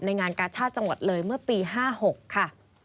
งานกาชาติจังหวัดเลยเมื่อปี๕๖ค่ะ